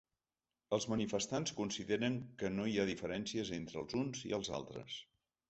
Els manifestants consideren que no hi ha diferències entre els uns i els altres.